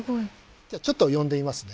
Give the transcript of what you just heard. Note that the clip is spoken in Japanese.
じゃあちょっと呼んでみますね。